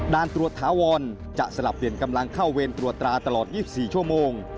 ตรวจถาวรจะสลับเปลี่ยนกำลังเข้าเวรตรวจตราตลอด๒๔ชั่วโมง